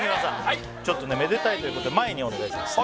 はいちょっとねめでたいということで前にお願いします